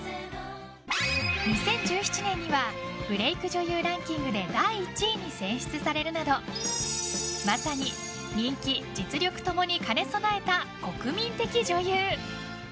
２０１７年にはブレーク女優ランキングで第１位に選出されるなどまさに人気・実力共に兼ね備えた国民的女優。